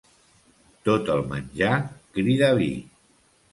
Tot el menjar crida vi.